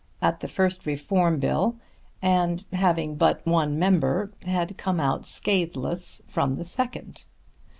at the first Reform Bill, and having but one member had come out scatheless from the second.